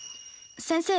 先生